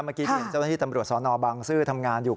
เมื่อกี้เห็นเจ้าหน้าที่ตำรวจสนบางซื่อทำงานอยู่